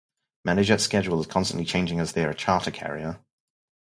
MenaJet's schedule is constantly changing as they are a charter carrier.